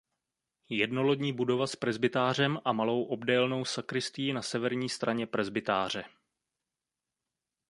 Jednolodní budova s presbytářem a malou obdélnou sakristií na severní straně presbytáře.